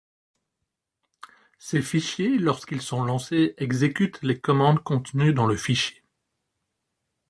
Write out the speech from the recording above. Ces fichiers, lorsqu'ils sont lancés, exécutent les commandes contenues dans le fichier.